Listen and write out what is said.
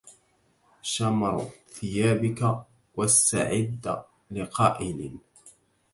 شمر ثيابك واستعد لقائل